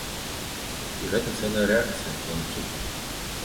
І гэта цэлая рэакцыя, ланцуг.